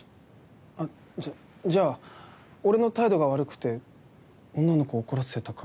あっじゃあ俺の態度が悪くて女の子を怒らせたから？